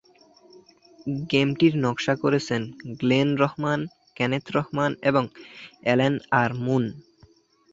গেমটির নকশা করেছেন Glenn Rahman, Kenneth Rahman এবং অ্যালান আর. মুন।